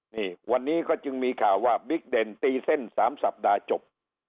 นี่วันนี้ก็จึงมีข่าวว่าบิ๊กเด่นตีเส้น๓สัปดาห์จบ